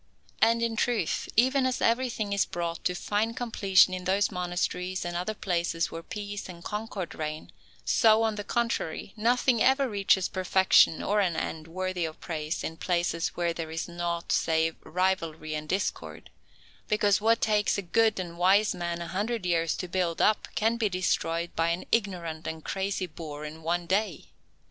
And, in truth, even as everything is brought to fine completion in those monasteries and other places where peace and concord reign, so, on the contrary, nothing ever reaches perfection or an end worthy of praise in places where there is naught save rivalry and discord, because what takes a good and wise man a hundred years to build up can be destroyed by an ignorant and crazy boor in one day.